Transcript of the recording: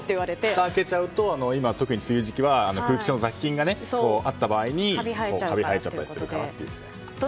ふたを開けると特に、梅雨時期は空気中の雑菌が入ったりしてカビが生えちゃったりすると。